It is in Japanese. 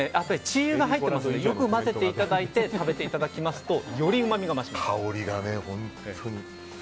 チー油が入っているのでよく混ぜていただいて食べていただきますとよりうまみが増します。